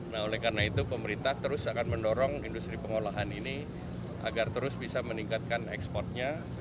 nah oleh karena itu pemerintah terus akan mendorong industri pengolahan ini agar terus bisa meningkatkan ekspornya